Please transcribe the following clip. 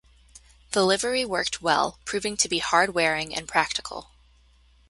The livery worked well, proving to be hard wearing and practical.